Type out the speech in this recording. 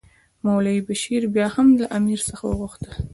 مولوي بشیر بیا هم له امیر څخه وغوښتل.